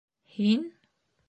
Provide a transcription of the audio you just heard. — Һин?..